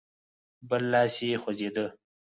بل لاس يې خوځېده.